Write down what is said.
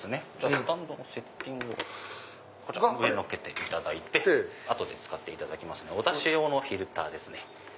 スタンドのセッティングをこちら上に載っけていただいて後で使っていただきますがおダシ用のフィルターですね。